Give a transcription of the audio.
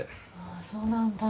ああそうなんだ。